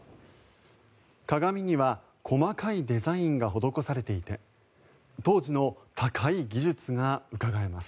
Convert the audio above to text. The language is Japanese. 鏡には細かいデザインが施されていて当時の高い技術がうかがえます。